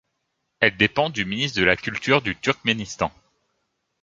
Elle dépend du ministère de la Culture du Turkménistan.